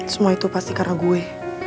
semua itu pasti karena gue